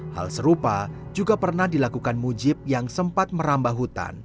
hal serupa juga pernah dilakukan mujib yang sempat merambah hutan